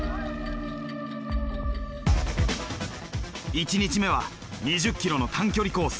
１日目は２０ｋｍの短距離コース。